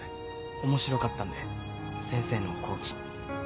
面白かったんで先生の講義。